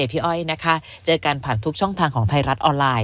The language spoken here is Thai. พี่อ้อยนะคะเจอกันผ่านทุกช่องทางของไทยรัฐออนไลน์